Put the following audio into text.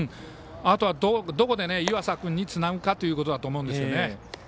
あとはどこで岩佐君につなぐかということだと思います。